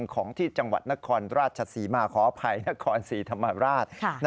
ของที่จังหวัดนครราชศรีมาขออภัยนครศรีธรรมราช